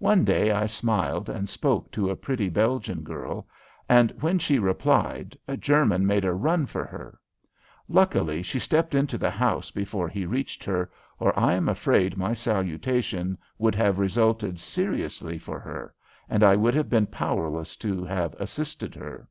One day I smiled and spoke to a pretty Belgian girl, and when she replied a German made a run for her. Luckily she stepped into the house before he reached her or I am afraid my salutation would have resulted seriously for her and I would have been powerless to have assisted her.